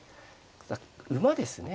馬ですね。